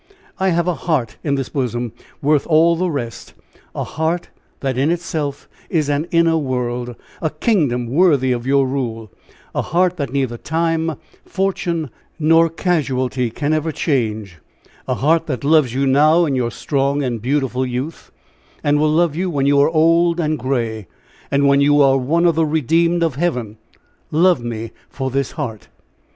I have a heart in this bosom worth all the rest, a heart that in itself is an inner world a kingdom worthy of your rule a heart that neither time, fortune, nor casualty can ever change a heart that loves you now in your strong and beautiful youth, and will love you when you are old and gray, and when you are one of the redeemed of heaven. Love me for this heart."